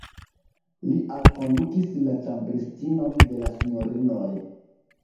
Li alkondukis la ĉambristinon de la sinjorinoj.